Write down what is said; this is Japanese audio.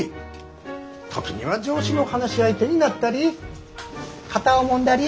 時には上司の話し相手になったり肩をもんだり。